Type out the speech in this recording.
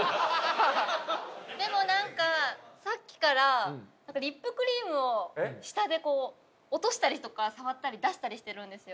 でもなんかさっきからリップクリームを下でこう落としたりとか触ったり出したりしてるんですよ。